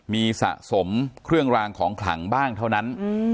มีสะสมเครื่องรางของขลังบ้างเท่านั้น